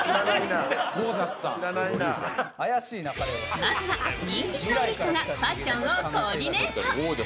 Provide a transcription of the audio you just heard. まずは、人気スタイリストがファッションをコーディネート。